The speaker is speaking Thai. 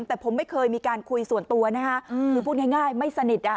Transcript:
แต่ผมไม่เคยมีการคุยส่วนตัวนะคะคือพูดง่ายไม่สนิทอ่ะ